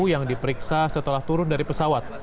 yang diperiksa setelah turun dari pesawat